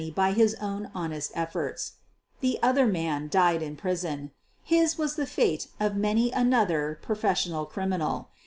y by his own honest efforts. The other man died in prison. His was thft fate of many another professional criminal.